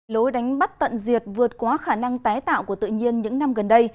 lối đánh bắt tận diệt vượt qua khả năng tái tạo của tự nhiên những năm gần đây